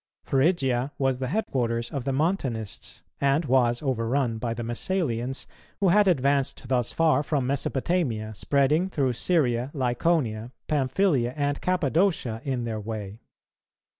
Phrygia was the headquarters of the Montanists, and was overrun by the Messalians, who had advanced thus far from Mesopotamia, spreading through Syria, Lycaonia, Pamphylia, and Cappadocia in their way.